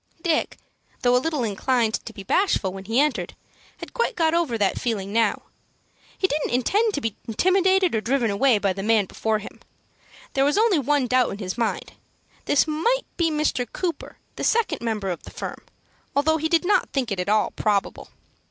Dick, though a little inclined to be bashful when he entered, had quite got over that feeling now. He didn't intend to be intimidated or driven away by the man before him. There was only one doubt in his mind. This might be Mr. Cooper, the second member of the firm, although he did not think it at all probable.